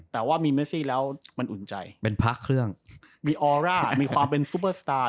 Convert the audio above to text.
แต่ว่ามีเมซี่แล้วมันอุ่นใจเป็นพระเครื่องมีออร่ามีความเป็นซุปเปอร์สตาร์